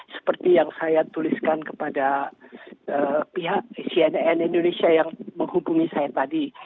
seperti yang saya tuliskan kepada pihak cnn indonesia yang menghubungi saya tadi